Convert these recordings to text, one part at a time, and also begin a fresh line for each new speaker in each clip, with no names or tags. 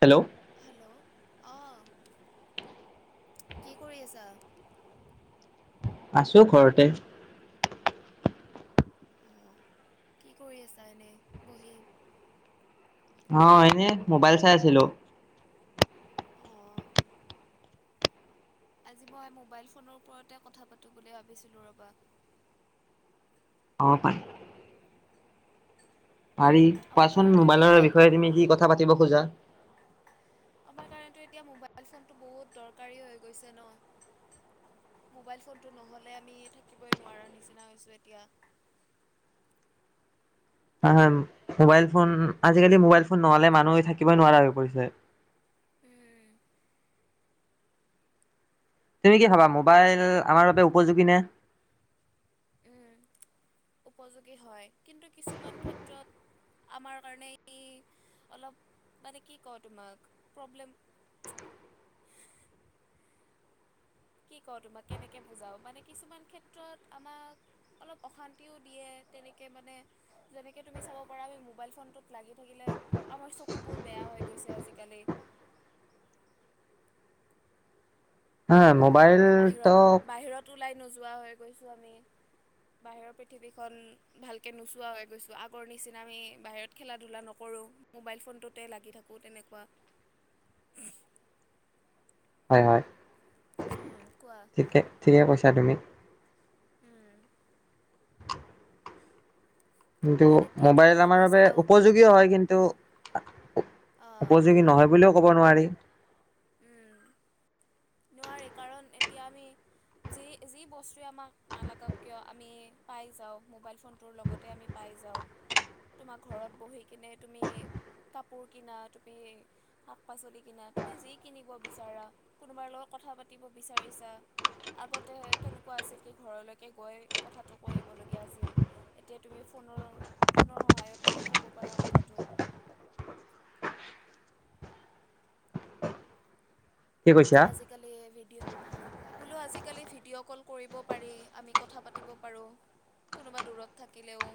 Hello
hello অহ কি কৰি আছা
আছো ঘৰতে
অহ কি কৰি আছা এনেই বহি
অ এনে মোবাইল চাই আছিলো
অঁ আজি মই মোবাইল ফোনৰ ওপৰতে কথা পাতো বুলি ভাবিছিলো ৰ'বা।
অ', পাৰি। পাৰি
আমাৰ
কোৱাচোন
কাৰণেতো এতিয়া
মোবাইলৰ বিষয়ে তুমি কি কথা পাতিব খোজা।
আমাৰ কাৰণেতো এতিয়া মোবাইল ফোনটো বহুত দৰকাৰী হৈ গৈছে ন' মোবাইল ফোনটো নহ'লে আমি থাকিবই নোৱাৰো নিচিনা হৈছো এতিয়া।
হয়, মোবাইল ফোন আজিকালি মোবাইল ফোন নহ'লে মানুহে থাকিবই নোৱাৰা হৈ পৰিছে।
উম।
তুমি কি ভাবা মোবাইল আমাৰ বাবে উপযোগী নে?
উম উপযোগী হয়। কিন্তু কিছুমান ক্ষেত্ৰত আমাৰ কাৰণে অলপ মানে কি কওঁ তোমাক প্ৰব্লেম কি কওঁ তোমাক কেনেকে বুজাও মানে কিছুমান ক্ষেত্ৰত আমাক অলপ অশান্তিও দিয়ে তেনেকে মানে যেনেকে তুমি চাব পাৰা আমি মোবাইল ফোনটোত লাগি থাকিলে আমাৰ চকুবোৰ বেয়া হৈ গৈছে আজিকালি।
হয়
তেনেকে আমি বাহিৰত,
মোবাইলটো
বাহিৰত ওলাই নোযোৱা হৈ গৈছোঁ আমি, বাহিৰৰ পৃথিৱীখন ভালকৈ নোচোৱা হৈ গৈছোঁ, আগৰ নিচিনা আমি বাহিৰত খেলা ধূলা নকৰোঁ মোবাইল ফোনটোতে লাগি থাকোঁ তেনেকুৱা।
হয়, হয়।
উম কোৱা
ঠিকে, ঠিকে কৈছা তুমি।
উম
কিন্তু
আই এতিয়াতো
মোবাইল
ভাল
আমাৰ
হৈছে
বাবে
ন
উপযোগীও হয় কিন্তু
উম অঁ
উপযোগী নহয় বুলিও ক'ব নোৱাৰি।
উম। নোৱাৰি কাৰণ এতিয়া আমি যি যি বস্তুৱে আমাক নালাগক কিয় আমি পাই যাওঁ, মোবাইল ফোনটোৰ লগতে আমি পাই যাওঁ, তোমাৰ ঘৰত বহি কিনে তুমি কাপোৰ কিনা তুমি শাক-পাচলি কিনা তুমি যি কিনিব বিচাৰা কো কোনোবাৰ লগত কথা পাতিব বিচাৰিছা আগতে কেনেকুৱা আছিল কি ঘৰলৈকে গৈ কথাটো কৈ আহিবলগীয়া আছিল এতিয়া তুমি ফোনৰ ফোনৰ সহায়ত তুমি ক'ব পাৰা কথাটো।
কি কৈছা
আজিকালি ভডিঅ' বোলো আজিকালি ভিডিঅ' কল কৰিব পাৰি আমি কথা পাতিব পাৰোঁ কোনোবা দূৰত থাকিলেও।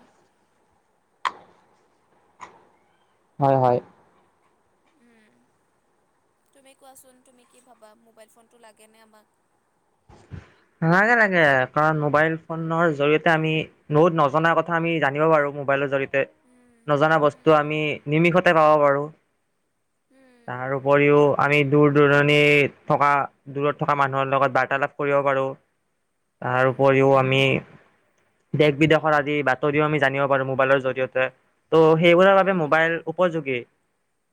হয়, হয়।
তুমি কোৱাচোন তুমি কি ভাবা মোবাইল ফোনটো লাগেনে আমাক?
লাগে লাগে কাৰণ মোবাইল ফোনৰ জৰিয়তে আমি নোদ নজনা কথা আমি জানিব পাৰোঁ মোবাইলৰ জৰিয়
উম
নজনা বস্তু
উম
আমি নিমিষত ত' পাব পাৰোঁ।
উম
তাৰ উপৰিও আমি দূৰ-দূৰণি থকা দূৰত থকা মানুহৰ লগত বাৰ্তালাপ কৰিব পাৰোঁ তাৰ
উম
উপৰিও আমি দেশ বিদেশৰ আদি বাতৰিও আমি জানিব পাৰোঁ মোবাইলৰ জৰিয়তে। ত'
উম
সেইবোৰৰ বাবে
উম
মোবাইল উপযোগী।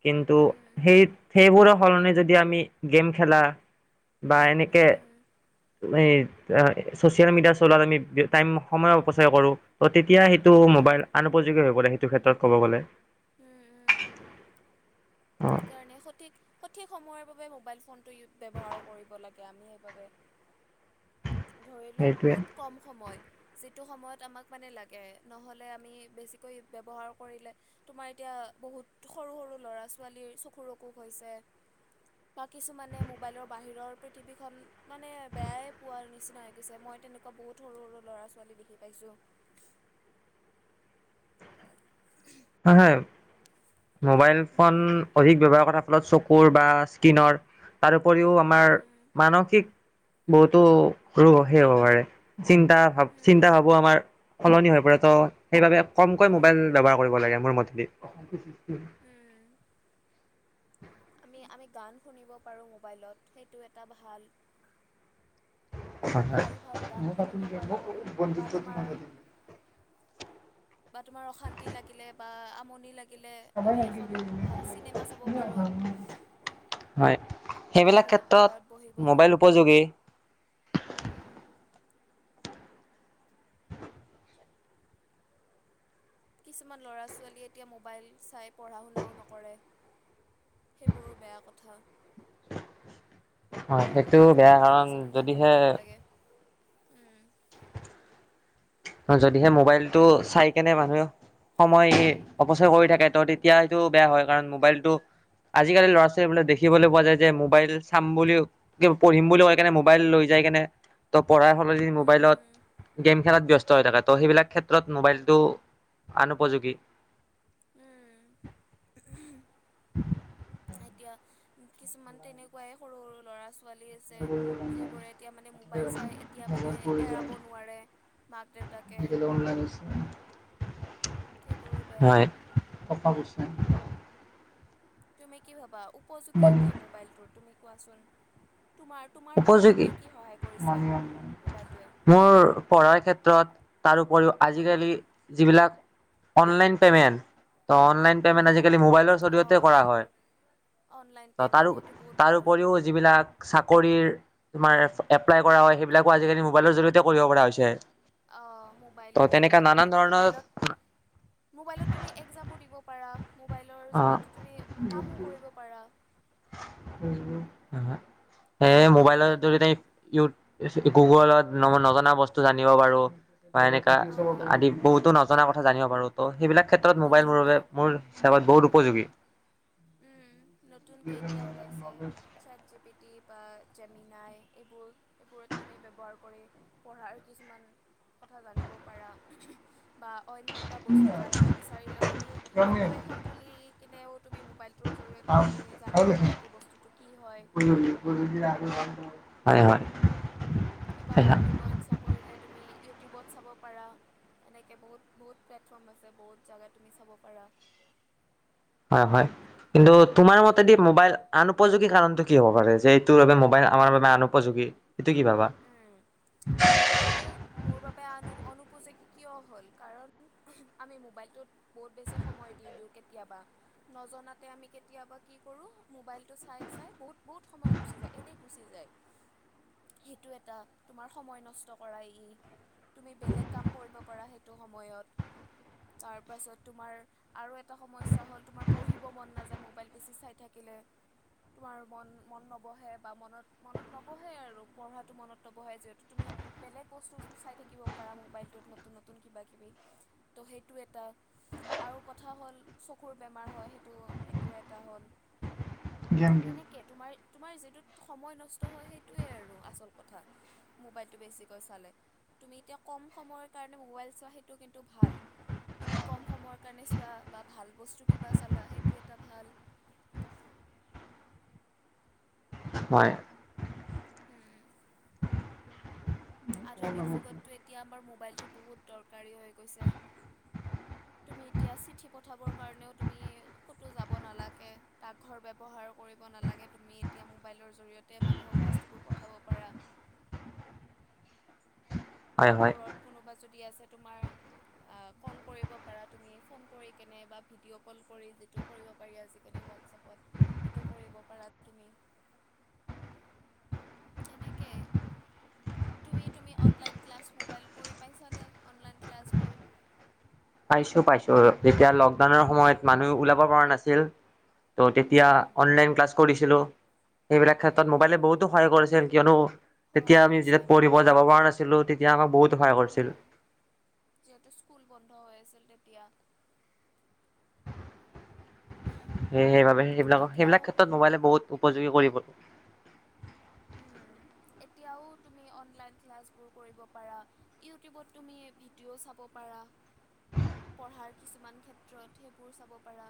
কিন্তু সেই, সেইবোৰক সলনি যদি আমি গেম খেলা বা
উম
এনেকে
উম
এ, চচিয়েল মিডিয়া চলাত আমি টাইম সময় অপচাৰ কৰোঁ ত' তেতিয়া সেইটো মোবাইল
উম
আনউপযোগী হৈ পৰে। টো ক্ষেত্ৰত ক'ব গ'লে
উম উম
অঁ
সেইকাৰণে সঠিক সঠিক সময়ৰ বাবে মোবাইল ফোনটো ব্যৱহাৰ কৰিব লাগে আমি সেইবাবে ধৰি লওক
সেইটোৱে
বহুত কম সময় যিটো সময়ত আমাক মানে লাগে নহলে আমি বেছিকৈ ব্যৱহাৰ কৰিলে তোমাৰ এতিয়া বহুত সৰু সৰু ল'ৰা ছোৱালীৰ চকুৰ অসুখ হৈছে বা কিছুমানে মোবাইলৰ বাহিৰৰ পৃথিৱীখন মানে বেয়াই পোৱা নিচি- নিচিনা হৈ গৈছে মই তেনেকুৱা বহুত সৰু সৰু ল'ৰা ছোৱালী দেখি পাইছো
আহ হে মোবাইল ফোন
উম,
অধিক ব্যৱহাৰ কৰা চকুৰ বা স্কিনৰ আৰু উপৰিও আমাৰ
উম,
মানসিক বহুতো ৰ সেই হ'ব পাৰে চিন্তা ভাব চিন্তা
উম,
ভাবো আমাৰ সলনি হৈ পৰে ত' সেইবাবে কমকৈ
উম,
মোবাইল ব্যৱহাৰ কৰিব লাগে মোৰ মতেদি উম
আমি আমি গান শুনিব পাৰো মোবাইলত। সেইটো এটা ভাল।
হয় হয়।
ভাল ভাল গান শুনিব পাৰো। বা তোমাৰ, বা তোমাৰ অশান্তি লাগিলে বা আপ- মণি লাগে।
হয়।
চাব পাৰোঁ।
[unintelligible] সেইবিলাক
ঘৰত ঘৰত বহি
ক্ষেত্ৰত
বহি
মোবাইল উপযোগী।
উম। কিছুমান ল'ৰা ছোৱালীয়ে এতিয়া মোবাইল চাই পঢ়া শুনাও নকৰে। সেইবোৰো বেয়া কথা।
অ'
পঢ়া
সেইটোও
শুনাটো
বেয়া, কাৰণ
নিজৰ টাইমত
যদিহে
কৰিব লাগে। উম।
যদিহে মোবাইলটো চাই কেনে মানুহে সময় অপচয় কৰি থাকে ত তেতিয়া সেইটো বেয়া হয় কাৰণ, মোবাইলটো আজিকালি ল'ৰা ছোৱালীবিলাক দেখিবলৈ পোৱা যায় যে, মোবাইল চাম বুলি পঢ়িম বুলি কৈ কেনে মোবাইল লৈ যাই কেনে পঢ়াৰ সলনি মোবাইলত
উম
গেম খেলাত ব্যস্ত। হৈ থাকে ত। সেইবিলাক ক্ষেত্ৰত মোবাইলটো আন উপযোগী।
উম
[inaudible]
এতিয়া, কিছুমান তেনেকুৱাই সৰু, সৰু ল'ৰা ছোৱালী। ছোৱালী আছে। যিবোৰে এতিয়া মানে মোবাইল চাই। এতিয়া মানে এৰাব নোৱাৰে। মাক দেউতাকে সেইবোৰো বেয়া।
হয়।
তুমি কি ভাবা? উপযোগী কি? মোবাইলটোৰ, তুমি কোৱাচোন। তোমাৰ তোমাৰ কাৰণে কি
উপযোগী।
কি সহায় কৰিছে মোবাইলটোৱে?
মোৰ পঢ়াৰ ক্ষেত্ৰত। তাৰ উপৰিও,
উম,
আজিকালি যিবিলাক অনলাইন পেমেণ্ট। ত' অনলাইন পে'মেণ্ট
উম
আজিকালি মোবাইলৰ জৰিয়তে
অঁ
কৰা হয়,
অনলাইন পে'মেণ্ট
তা-তাৰো,
সেইটো বহুত
তাৰ
ভাল।
উপৰিও যিবিলাক চাক তোমাৰ এপ্লাই কৰা হয়, সেইবিলাকো আজিকালি মোবাইলৰ জৰিয়তে কৰিব পৰা হৈছে।
অ',
ত'
মোবাইলৰ
তেনেকা
জৰিয়তে
নানান
তুমি
ধৰণৰ
মোবাইলত, মোবাইলত তুমি একজামো দিব পাৰা। মোবাইলৰ
অ
জৰিয়তে তুমি কামো কৰিব পাৰা।
ফেচবুক, আ, হা সেই
সেইটো
মোবাইলৰ
এটা
জৰিয়তে ইউ গুগলত, নজনা বস্তু জানিব পাৰো। বা এনেকা,
অঁ
আদি বহুতো নজনা
ন
কথা জানিব পাৰো ত' সেইবিলাক ক্ষেত্ৰত মোবাইল মোৰ বাবে,
নতুনকে
মোৰ হিচাপত বহুত
উম,
উপযোগী।
হুম। কেতিয়া ওলাইছে, চাত জি পিটি বা জেমিনাই, এইবোৰ, এইবোৰত তুমি ব্যৱহাৰ কৰি পঢ়াৰ কিছুমান কথা জানিব পাৰা। বা অইন কিবা বস্তু জানি জানিব বিচাৰিলেও তুমি, ফটো এখন তুলি কেনেও তুমি মোবাইলটো জৰিয়তে তুমি জানিব পাৰা, বস্তুতো কি হয়।
হয়, হয়
কিবা ৰান্ধিব ইচ্ছা কৰিলে তুমি ইউ ইউটিউবত চাব পাৰা, এনেকে বহুত, বহুত প্লেটফৰ্ম আছে বহুত জেগা তুমি চাব পাৰা
হয়, হয় কিন্তু তোমাৰ মতেদি
উম,
মোবাইল আন উপযোগী কাৰণ টো কি হ'ব পাৰে যে, এইটো বাবে মোবাইল আমাৰ বাবে আনউপযোগী এইটো কি ভাবা?
উম উপযোগী কিয় হ'ল কাৰণ আমি মোবাইলটোত বহুত বেছি সময় দি দিওঁ কেতিয়াবা, নজনাতে আমি কেতিয়াবা কি কৰো মোবাইলটো চাই, চাই বহুত, বহুত সময় গুচি যায় এনেই গুচি যায়, সেইটো এটা তোমাৰ সময় নষ্ট কৰা ই তুমি বেলেগ কাম কৰিব পাৰা সেই সময়ত তাৰ পাছত তোমাৰ আৰু এট এটা সমস্যা হ'ল তোমাৰ পঢ়িব মন নাযায় মোৰ মোবাইল বেছি চাই থাকিলে তোমাৰ মন, মন নবহে বা মনত, মনত নবহে আৰু পঢ়াটো মনত নবহে যে তুমি বেলেগ বস্তু চাই থাকিব পাৰা মোবাইলটোত নতুন, নতুন কিবা কিবি ত' সেইটো এটা আৰু কথা হ'ল চকুৰ বেমাৰ হয়, সেইটো, সেইটো এটা হ'ল সেনেকে তোমাৰ তোমাৰ যিটোত সময় নষ্ট হয়, সেইটোৱে আৰু আচল কথা মোবাইলটো বেছিকৈ চালে তুমি এতিয়া কম সময়ৰ কাৰণে মোবাইল চোৱা সেইটো কিন্তু ভাল। তুমি কম সময়ৰ কাৰণে চোৱা বা ভাল বস্তু কিবা চালা সেইটো এটা ভাল
হয়।
উম আধুনিক যুগততো এতিয়া আমাৰ মো মোবাইলটো বহুত দৰকাৰী হৈ গৈছে তুমি এতিয়া চিঠি পঠাবৰ কাৰণেও তুমি ক'তো যাব নালাগে, ডাকঘৰ ব্যৱহাৰ কৰিব নালাগে, তুমি এতিয়া মোবাইলৰ জৰিয়তে মানুহক বস্তুবোৰ পঠাব পাৰা।
হয় হয়
দূৰত কোনোবা যদি আছে তোমাৰ আ কল কৰিব পাৰা তুমি ফোন কৰি কেনে ভিডিঅ' কল কৰি ভিডিঅ কৰিব পাৰি হোৱাটপত সেইটো কৰিব পাৰা তুমি তেনেকে তুমি তুমি অনলাইন ক্লাচ মোবাইল কৰি পাইছানে অনলাইন ক্লাছবোৰ
পাইছো পাইছোঁ যেতিয়া লকডাউনৰ সময়ত মানুহ ওলাব পৰা নাছিল ত' তেতিয়া অনলাইন ক্লাছ কৰিছিলোঁ সেইবিলাক ক্ষেত্ৰত মোবাইলে বহুতো সহায় কৰিছিল কিয়নো তেতিয়া
সহায়
আমি
কৰিছে
যেতিয়া পঢ়িব যাব পৰা নাছিলো তেতিয়া আমাক বহুত সহায় কৰিছিল
দিয়া
সেই সেইবাবে সেইবিলাক
এতিয়াও
সেইবিলাক ক্ষেত্ৰত মোবাইলে বহুত উপযোগী কৰি [unintelligible]
উম, এতিয়াও তুমি অনলাইন ক্লাছবোৰ কৰিব পাৰা ইউটিউবত তুমি ভিডিঅ' চাব পাৰা পঢ়াৰ কিছুমান ক্ষেত্ৰত সেইবোৰ চাব পাৰা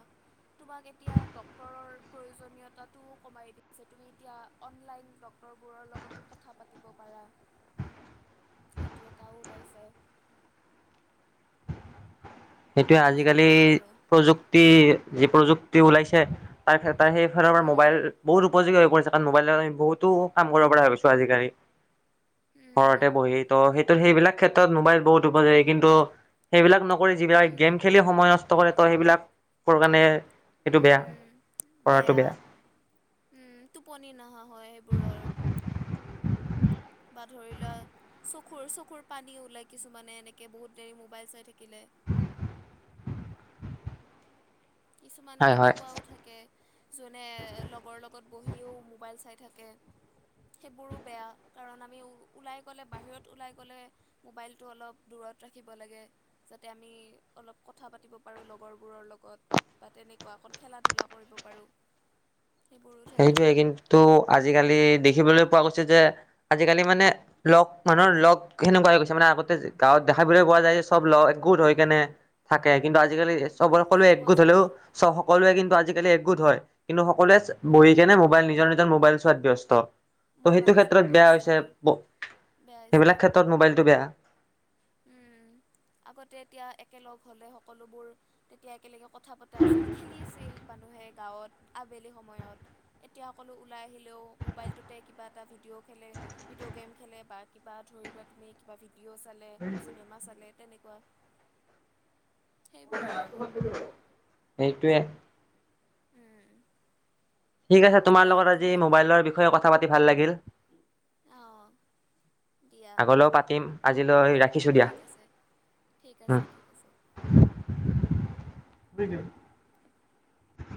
তোমাক এতিয়া ডক্তৰৰ প্ৰয়োজনীয়তাটোও কমাই দিছে তুমি এতিয়া অনলাইন বোৰৰ লগত কথা পাতিব পাৰা সেইটো এটাও ওলাইছে
সেইটো আজিকালি
তেনেকুৱাই আৰু
প্ৰযুক্তি যি প্ৰযুক্তি কি ওলাইছে তাৰ তাৰ সেইফালৰ আম
উম,
মোবাইল বহুত উপযোগী হৈ পৰিছে মোবাইলত আমি বহুতো কাম কৰিব পৰা হৈ গৈছো আজিকালি
উম,
ঘৰতে বহি ত সেই ত সেইবিলাক ক্ষেত্ৰত মোবাইল বহুত উপকাৰী কিন্তু সেইবিলাক নকৰি যিবিলাক
উম,
গেম খেলি সময় নষ্ট কৰে তো সেইবিলাক কাৰণে সেইটো বেয়া
উম বেয়া উম টোপনি নহা হয় সেইবোৰৰ। বা ধৰি লোৱা চকুৰ চকুৰ পানী ওলাই কিছুমানে এনেকে বহুত দেৰি মোবাইল চাই থাকিলে। কিছুমান
হয় হয়
এনেকুৱাও থাকে। জোনে লগৰ লগত বহিও মোবাইল চাই থাকে সেইবোৰো বেয়া কাৰণ আমি ওলাই গ'লে বাহিৰত ওলাই গ'লে মোবাইলটো অলপ দূৰত ৰাখিব লাগে যাতে আমি অলপ কথা পাতিব পাৰোঁ লগৰবোৰৰ লগত। বা তেনেকুৱা অকণ খেলা ধূলা কৰিব পাৰোঁ। সেইবোৰো থাকে
সেইটোৱে কিন্তু আজিকালি দেখিবলৈ। পোৱা গৈছে যে আজিকালি মানে লগ মানুহৰ লগ সেনেকুৱা হৈ গৈছে মানে আগতে গাঁৱত দেখাবলৈ পোৱা যায় চব লগ একগোট হৈ কেনে। থাকে কিন্তু আজিকালি চব সকলোৱে
খেলিব
একগোট হ'লেও
যায়
চব সকলোৱে কিন্তু আজিকালি একগোট হয়। কিন্তু সকলোৱে। বহি কেনে মোবাইল নিজৰ নিজৰ মোবাইল চোৱাত ব্যস্ত। ত' সেইটো
মোবাইল চোৱাত
ক্ষেত্ৰত বেয়া
ব্যস্ত
হৈছে
বেয়া
সেইবিলাক ক্ষেত্ৰত মোবাইলটো বেয়া।
উম আগতে এতিয়া একেলগ হ'লে সকলোবোৰ তেতিয়া একেলগে কথা পতা আছিল খেলিছিল মানুহে গাঁৱত আবেলি সময়ত এতিয়া সকলো ওলাই আহিলেও মোবাইলটোতে কিবা এটা ভিডিঅ' খেলে ভিডিঅ' গেম খেলে বা কিবা ধৰি লোৱা তুমি কিবা ভিডিঅ' চালে। চিনেমা চালে। তেনেকুৱা। সেইবোৰেই আৰু
সেইটোৱে।
উম।
ঠিক আছে তোমাৰ লগত আজি মোবাইলৰ বিষয়ে কথা পাত ভাল লাগিল।
অঁ দিয়া
আগলৈও পাতিম। আজিলৈ ৰাখ।
ঠিক আছে ঠিক আছে ঠিক আছে।
দি দিয়ক।